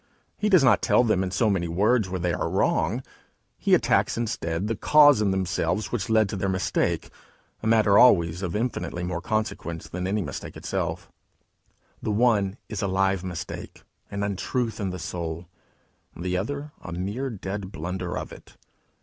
He does not tell them in so many words where they are wrong; he attacks instead the cause in themselves which led to their mistake a matter always of infinitely more consequence than any mistake itself: the one is a live mistake, an untruth in the soul, the other a mere dead blunder born of it.